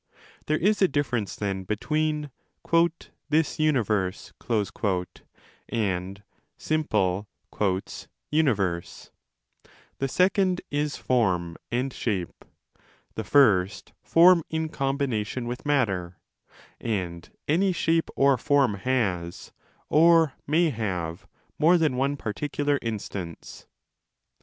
There is a difference, then, between 'this universe' and simple 'universe'; the second is form and shape, the first 15 form in combination with matter ; and any shape or form has, or may have, more than one particular instance.